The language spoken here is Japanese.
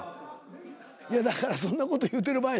いやだからそんなこと言うてる場合。